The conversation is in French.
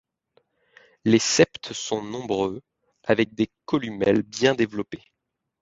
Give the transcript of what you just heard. Les septes sont nombreux, avec des columelles bien développées.